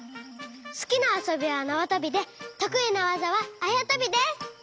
すきなあそびはなわとびでとくいなわざはあやとびです！